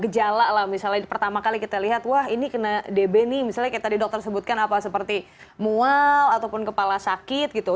gejala lah misalnya pertama kali kita lihat wah ini kena db nih misalnya kayak tadi dokter sebutkan apa seperti mual ataupun kepala sakit gitu